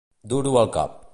Dur-ho al cap.